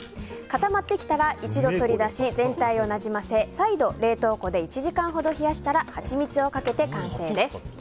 固まってきたら一度取り出し全体をなじませ再度、冷凍庫で１時間ほど冷やしたらはちみつをかけて完成です。